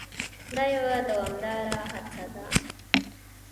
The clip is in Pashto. دا یوه دوامداره هڅه ده.